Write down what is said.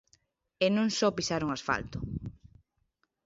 E non só pisaron asfalto.